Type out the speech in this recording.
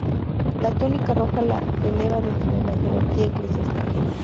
La túnica roja la eleva dentro de la jerarquía eclesiástica.